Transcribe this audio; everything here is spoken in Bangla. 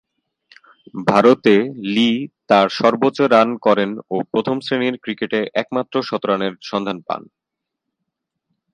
ভারতে লি তার সর্বোচ্চ রান করেন ও প্রথম-শ্রেণীর ক্রিকেটে একমাত্র শতরানের সন্ধান পান।